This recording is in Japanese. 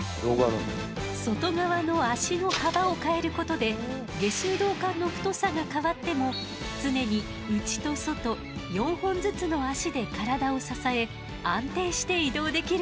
外側の脚の幅を変えることで下水道管の太さが変わっても常に内と外４本ずつの脚で体を支え安定して移動できるの。